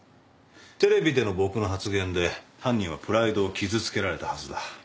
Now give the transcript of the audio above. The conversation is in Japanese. テレビでの僕の発言で犯人はプライドを傷つけられたはずだ。